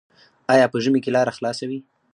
آیا په ژمي کې لاره خلاصه وي؟